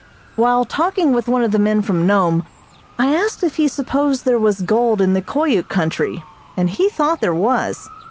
While talking with one of the men from Nome I asked if he supposed there was gold in the Koyuk country, and he thought there was.